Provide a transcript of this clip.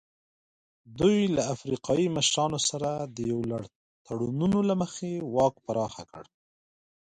دوی له افریقایي مشرانو سره د یو لړ تړونونو له مخې واک پراخ کړ.